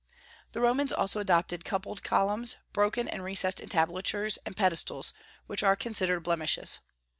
The Romans also adopted coupled columns, broken and recessed entablatures, and pedestals, which are considered blemishes.